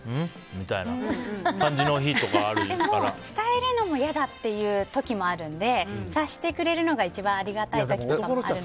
みたいな感じの日とか伝えるのも嫌だっていう時もあるので察してくれるのが一番ありがたい時もあるかな。